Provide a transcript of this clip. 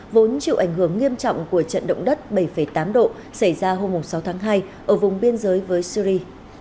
vốn chịu ảnh hưởng nghiêm trọng của trận động đất bảy tám độ xảy ra hôm sáu tháng hai ở vùng biên giới với syri